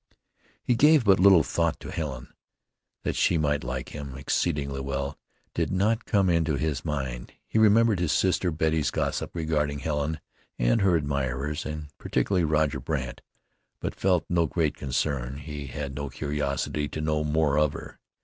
He gave but little thought to Helen. That she might like him exceedingly well, did not come into his mind. He remembered his sister Betty's gossip regarding Helen and her admirers, and particularly Roger Brandt; but felt no great concern; he had no curiosity to know more of her.